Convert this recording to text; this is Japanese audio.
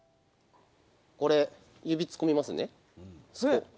これ指突っ込みますね。